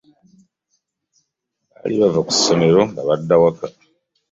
Bali bava ku ssomero nga badda awaka.